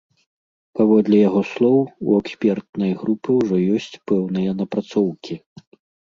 Паводле яго слоў, у экспертнай групы ўжо ёсць пэўныя напрацоўкі.